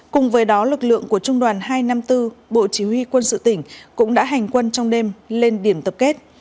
cùng với đó lực lượng của trung đoàn hai trăm năm mươi bốn bộ chỉ huy quân sự tỉnh cũng đã hành quân trong đêm lên điểm tập kết